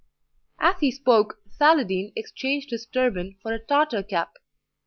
As he spoke, Saladin exchanged his turban for a Tartar cap.